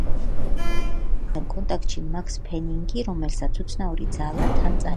მაგრამ აგენტებთან კონტაქტში მაქს ფენინგი, რომელსაც უცნაური ძალა თან წაიყვანს.